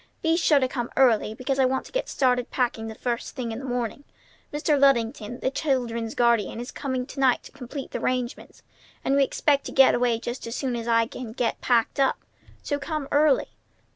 Be sure to come early, because I want to get started packing the first thing in the morning. Mr. Luddington, the children's guardian, is coming to night to complete the arrangements, and we expect to get away just as soon as I can get packed up. So come early."